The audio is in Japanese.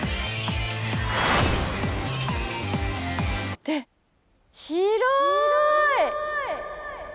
って広い！